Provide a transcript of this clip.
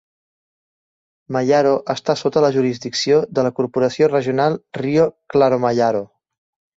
Mayaro està sota la jurisdicció de la Corporació Regional Rio Claro-Mayaro.